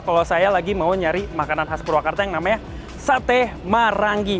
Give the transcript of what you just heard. kalau saya lagi mau nyari makanan khas purwakarta yang namanya sate marangi